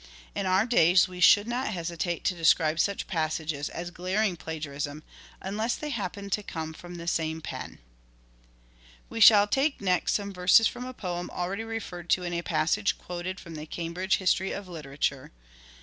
In our days we should not hesitate to describe such passages as glaring plagiarism, unless they happened to come from the same pen. Lily and We shall take next some verses from a poem already referred to in a passage quoted from the " Cambridge History of Literature."